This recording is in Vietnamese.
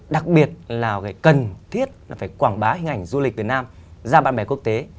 đặc biệt là cái cần thiết là phải quảng bá hình ảnh du lịch việt nam ra bạn bè quốc tế